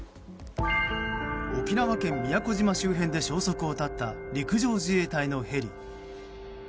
沖縄県宮古島周辺で消息を絶った陸上自衛隊のヘリ。